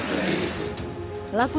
laku berhasil ditangkap polisi